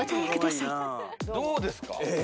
どうですか？